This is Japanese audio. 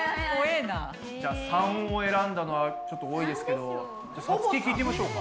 じゃ③を選んだのはちょっと多いですけどさつき聞いてみましょうか。